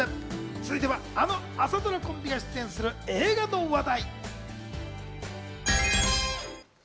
続いてはあの朝ドラコンビが出演する映画の話題。